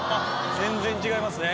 全然違いますね。